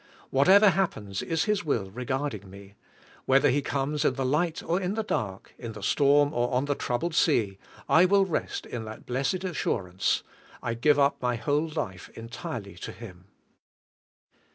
Whatever happens is His will regarding me. Whether He comes in the light or in the dark, in the storm or on the troubled sea, I will rest in that blessed assurance. I give up my whole life entirely to Him."